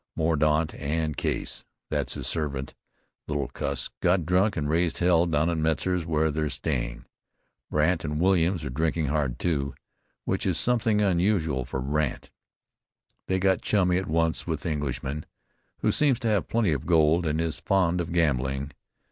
Mordaunt and Case, that's his servant, the little cuss, got drunk and raised hell down at Metzar's where they're staying. Brandt and Williams are drinking hard, too, which is something unusual for Brandt. They got chummy at once with the Englishman, who seems to have plenty of gold and is fond of gambling.